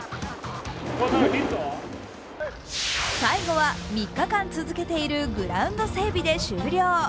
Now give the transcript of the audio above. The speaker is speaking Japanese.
最後は３日間続けているグラウンド整備で終了。